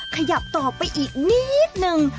ขยับต่อไปอีกนิดนึง